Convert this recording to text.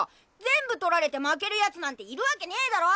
全部取られて負けるヤツなんているわけねぇだろ！